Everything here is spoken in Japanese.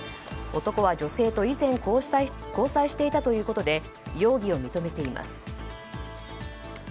男は女性と以前交際していたということで容疑を認めています。